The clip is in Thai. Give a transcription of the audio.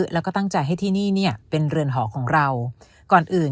แล้วก็ตั้งใจให้ที่นี่เนี่ยเป็นเรือนหอของเราก่อนอื่น